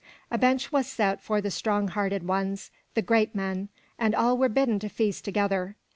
A bench was set for the strong hearted ones, the Geat men, and all were bidden to feast together.